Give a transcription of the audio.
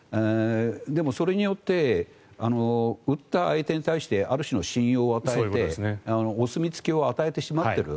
でもそれによって打った相手に対してある種の信用を与えてお墨付きを与えてしまっている。